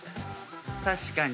確かに。